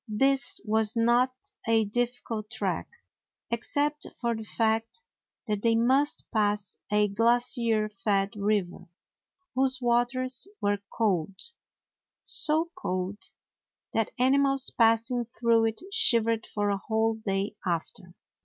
This was not a difficult trek, except for the fact that they must pass a glacier fed river, whose waters were cold, so cold that animals passing through it shivered for a whole day after.